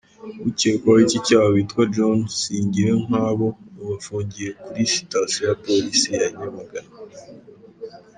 Ukekwaho iki cyaha witwa John Singirankabo ubu afungiwe kuri Sitasiyo ya Polisi ya Nyamagana.